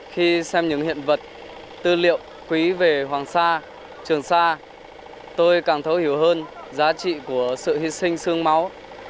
khi xem những hiện vật tư liệu quý về hoàng sa trường sa tôi càng thấu hiểu hơn giá trị của sự hy sinh sương máu